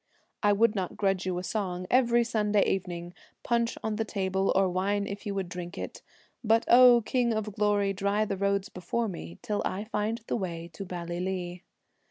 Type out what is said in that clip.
1 would not grudge you a song every Sunday evening, Punch on the table, or wine if you would drink it, But, O King of Glory, dry the roads before me, Till I find the way to Ballylee.